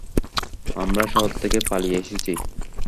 আমরা শহর থেকে পালিয়ে এসেছি।